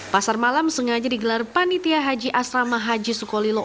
pasar malam sengaja digelar panitia haji asrama haji sukolilo